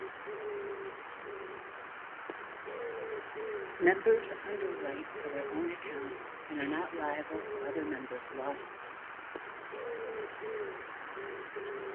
Members underwrite for their own account and are not liable for other members' losses.